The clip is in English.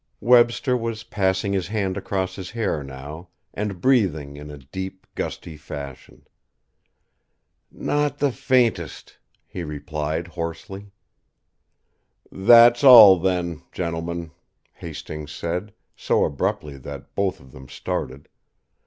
Webster was passing his hand across his hair now, and breathing in a deep, gusty fashion. "Not the faintest," he replied, hoarsely. "That's all, then, gentlemen!" Hastings said, so abruptly that both of them started.